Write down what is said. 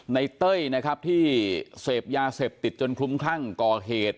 ในเต้ยที่เสพยาเส็บติดจนคลุ้มครั่งก่อเหตุ